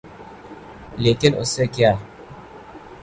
لیکن اس سے کیا؟